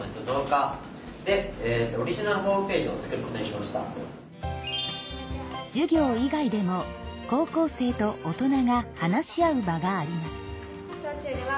わたしたちの授業以外でも高校生と大人が話し合う場があります。